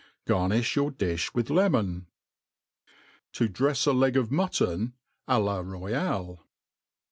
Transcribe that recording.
Oamifl) your diih with lemon. To dnfs a Leg if Mutton a la Royalt.